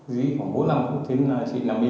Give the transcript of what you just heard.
dí khoảng bốn mươi năm phút đến là chị nằm đi